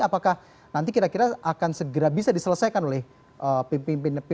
apakah nanti kira kira akan segera bisa diselesaikan oleh pimpinan kpk yang baru ini